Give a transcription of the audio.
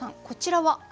こちらは？